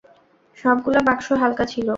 সবগুলা বাক্স হালকা ছিল।